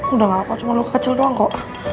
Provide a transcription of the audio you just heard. udah gak apa cuma lo kecil doang kok